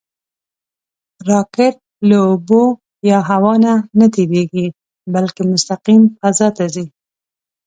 راکټ له اوبو یا هوا نه نهتېرېږي، بلکې مستقیم فضا ته ځي